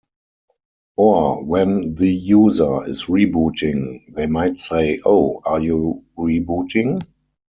Or, when the user is rebooting, they might say Oh, are you rebooting?